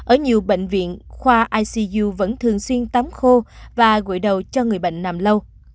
ở nhiều bệnh viện khoa icu vẫn thường xuyên tắm khô và gội đầu cho người bệnh nằm lâu